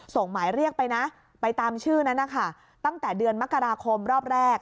หมายเรียกไปนะไปตามชื่อนั้นนะคะตั้งแต่เดือนมกราคมรอบแรก